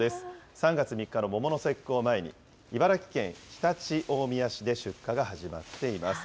３月３日の桃の節句を前に、茨城県常陸大宮市で出荷が始まっています。